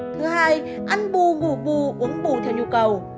thứ hai ăn bù ngủ bù uống bù theo nhu cầu